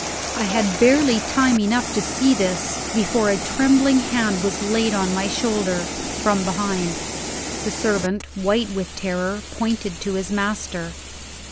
I had barely time enough to see this, before a trembling hand was laid on my shoulder, from behind. The servant, white with terror, pointed to his master.